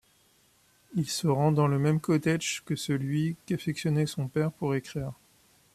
Il se rend dans le même cottage que celui qu'affectionnait son père pour écrire.